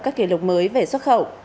các kỷ lục mới về xuất khẩu